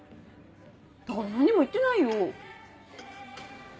だから何も言ってないよ。